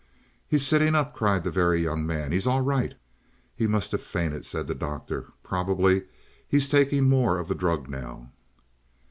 "He's sitting up," cried the Very Young Man. "He's all right." "He must have fainted," said the Doctor. "Probably he's taking more of the drug now."